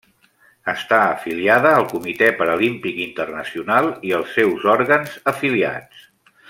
Està afiliada al Comitè Paralímpic Internacional i els seus òrgans afiliats.